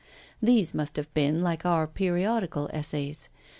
These must have been like our periodical essays.